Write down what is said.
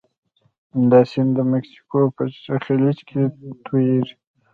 دا سیند د مکسیکو په خلیج کې تویږي.